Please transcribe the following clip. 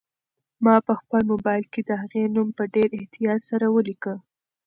ما په خپل موبایل کې د هغې نوم په ډېر احتیاط سره ولیکه.